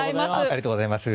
ありがとうございます。